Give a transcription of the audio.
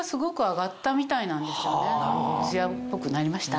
艶っぽくなりました？